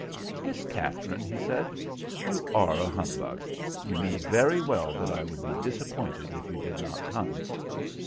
"Miss Katherine," he said, "you are a humbug. You knew very well that I would be disappointed if you did not come."